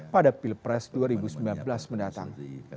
pada pilpres dua ribu sembilan belas mendatang